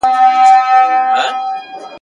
په ستړي لاس کي یې را کښېښودلې دوولس روپۍ ..